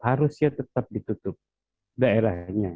harusnya tetap ditutup daerahnya